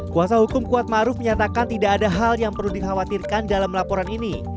kuasa hukum kuatmaruf menyatakan tidak ada hal yang perlu dikhawatirkan dalam laporan ini